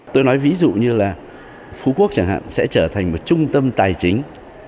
tôi nói ví dụ như là phú quốc chẳng hạn sẽ trở thành một trung tâm tài chính